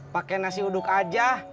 pake nasi uduk aja